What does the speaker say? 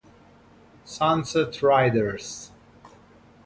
Sunset Riders